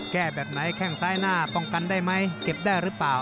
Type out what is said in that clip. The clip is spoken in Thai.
แบบไหนแข้งซ้ายหน้าป้องกันได้ไหมเก็บได้หรือเปล่า